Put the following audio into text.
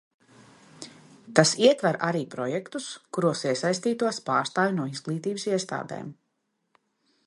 Tas ietver arī projektus, kuros iesaistītos pārstāvji no izglītības iestādēm.